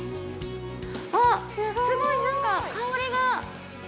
◆あっ、すごいなんか、香りが。